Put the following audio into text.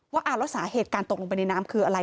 ว่าแล้วสาเหตุการตกลงไปในน้ำคืออะไร